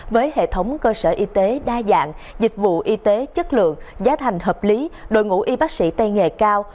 với hệ thống cơ sở y tế đa dạng dịch vụ y tế chất lượng giá thành hợp lý đội ngũ y bác sĩ tay nghề cao